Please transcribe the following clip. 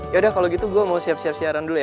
yaudah kalau gitu gue mau siap siap siaran dulu ya